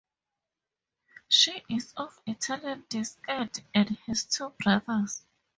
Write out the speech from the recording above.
She is of Italian descent and has two brothers.